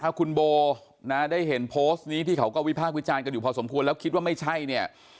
ถ้าคุณโบนะได้เห็นโพสต์นี้ที่เขาก็วิพากษ์วิจารณ์กันอยู่พอสมควรแล้วคิดว่าไม่ใช่เนี่ย